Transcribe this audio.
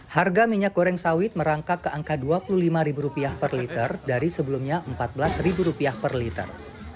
harga minyak goreng sawit merangkak ke angka rp dua puluh lima per liter dari sebelumnya rp empat belas per liter